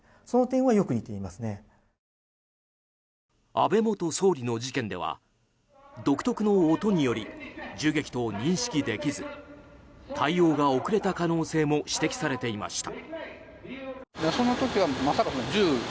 安倍元総理の事件では独特の音により銃撃と認識できず対応が遅れた可能性も指摘されていました。